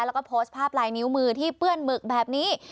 แล้วก็โพสต์ภาพลายนิ้วมือที่เปื้อนหมึกแบบนี้